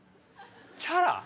チャラ？